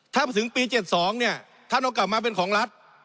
ถ้ามาถึงปี๗๒เนี่ยท่านเอากลับมาเป็นของรัฐ